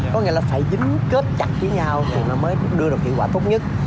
có nghĩa là phải dính kết chặt với nhau thì nó mới đưa được kỹ quả tốt nhất